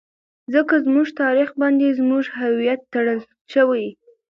ځکه زموږ تاريخ باندې زموږ هويت ټړل شوى.